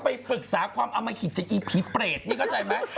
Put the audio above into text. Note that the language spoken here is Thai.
ไปปรึกษาความอมหิตจากอีผีเปรตนี่เข้าใจไหม